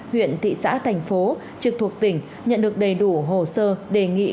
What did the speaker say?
huyện thị xã thành phố trực thuộc tỉnh nhận được đầy đủ hồ sơ đề nghị